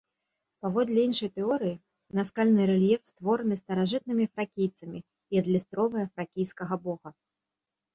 Паводле іншай тэорыі, наскальны рэльеф створаны старажытнымі фракійцамі і адлюстроўвае фракійскага бога.